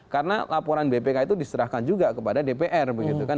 karena laporan bpk itu diserahkan juga kepada dpr begitu kan